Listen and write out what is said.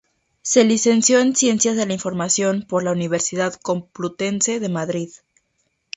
Se licenció en Ciencias de la información por la Universidad Complutense de Madrid.